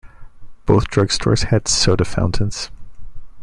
Both drugstores had soda fountains.